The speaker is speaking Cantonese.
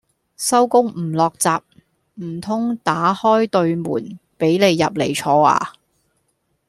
收工唔落閘，唔通打開對門俾你入嚟坐呀